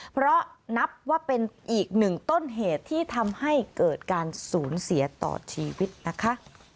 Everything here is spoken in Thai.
เพราะนับว่าเป็นอีกหนึ่งต้นเหตุที่ทำให้เกิดการสูญเสียต่อชีวิตนะคะ